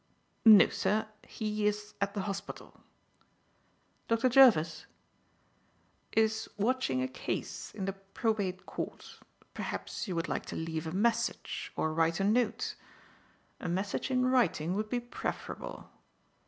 "No, sir. He is at the hospital." "Dr. Jervis?" "Is watching a case in the Probate Court. Perhaps you would like to leave a message or write a note. A message in writing would be preferable."